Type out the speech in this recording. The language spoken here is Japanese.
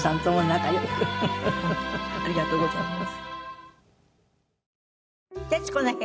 ありがとうございます。